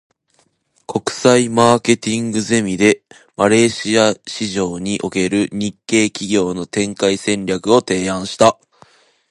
国際マーケティングゼミで、マレーシア市場における日系企業の展開戦略を提案した。